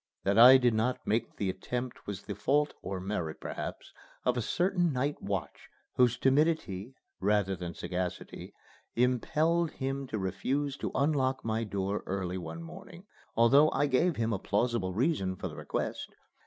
That I did not make the attempt was the fault or merit, perhaps of a certain night watch, whose timidity, rather than sagacity, impelled him to refuse to unlock my door early one morning, although I gave him a plausible reason for the request.